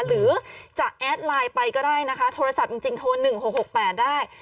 หรือจะแอดไลน์ไปก็ได้นะคะโทรศัพท์จริงโทร๑๖๖๘ได้